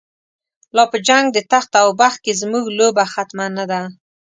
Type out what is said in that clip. لا په جنگ د تخت او بخت کی، زمونږ لوبه ختمه نده